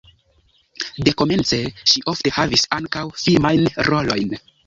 Dekomence ŝi ofte havis ankaŭ filmajn rolojn.